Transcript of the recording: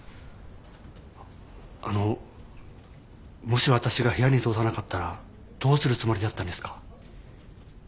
あのもし私が部屋に通さなかったらどうするつもりだったんですか？